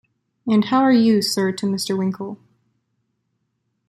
And how are you, sir to Mr. Winkle?